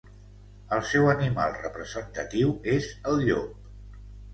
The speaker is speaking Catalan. El seu animal representatiu és el llop.